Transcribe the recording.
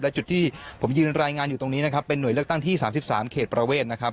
และจุดที่ผมยืนรายงานอยู่ตรงนี้นะครับเป็นหน่วยเลือกตั้งที่๓๓เขตประเวทนะครับ